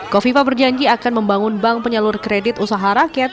kofifa berjanji akan membangun bank penyalur kredit usaha rakyat